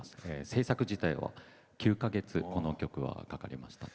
制作自体は９か月、この曲はかかりました。